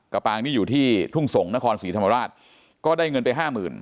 กะปางที่อยู่ที่ทุ่งสงฆ์นครสมีธรรมราชก็ได้เงินไป๕๐๐๐๐